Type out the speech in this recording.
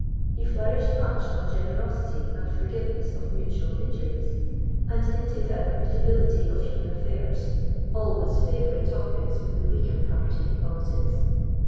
He flourished much on generosity and forgiveness of mutual injuries, and hinted at the mutability of human affairs, always favourite topics with the weaker party in politics.